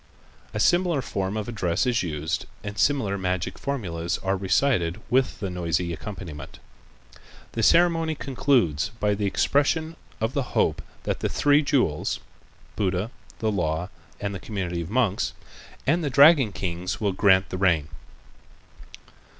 A similar form of address is used and similar magical formulas are recited with the noisy accompaniment. The ceremony concludes by the expression of the hope that the three jewels (Buddha, the Law and the Community of Monks) and the dragon kings will grant the rain.